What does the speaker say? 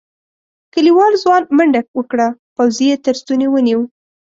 کليوال ځوان منډه وکړه پوځي یې تر ستوني ونيو.